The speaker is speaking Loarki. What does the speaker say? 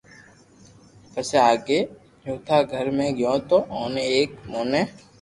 پسو آگي چوٿا گھر ۾ گيو تو اوني ايڪ موٺي